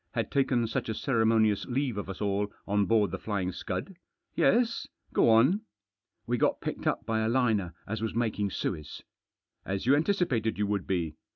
" Had taken such a ceremonious leave of us all on board The Flying Scud. Yes ? Go on." "We got picked up by a liner as was making Suez." " As you anticipated you would be.